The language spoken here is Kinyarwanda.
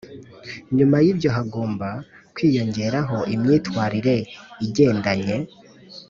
nyuma y’ibyo hagomba kwiyongeraho imyitwarire igendanye